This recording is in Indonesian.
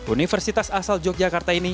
universitas asal yogyakarta ini